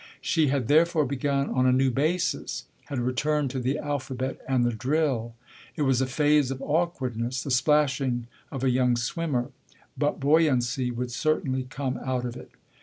She had therefore begun on a new basis, had returned to the alphabet and the drill. It was a phase of awkwardness, the splashing of a young swimmer, but buoyancy would certainly come out of it.